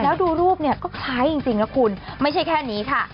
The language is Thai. แล้วดูรูปเนี่ยก็คล้ายจริงนะคุณไม่ใช่แค่นี้ค่ะ